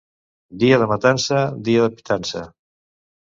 Dia de matança, dia de pitança.